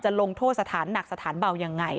ลงโทษสถานหนักสถานเบายังไง